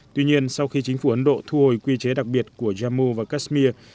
tuy nhiên sau khi chính phủ ấn độ thu hồi quy chế đặc biệt của jammu và kashmir